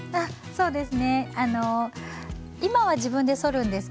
そうです。